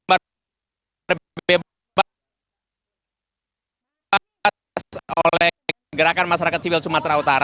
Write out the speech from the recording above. berbebas oleh gerakan masyarakat sipil sumatera utara